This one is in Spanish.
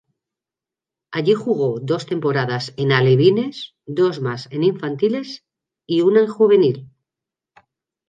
Allí jugó dos temporadas en alevines, dos más en infantiles, y una en juvenil.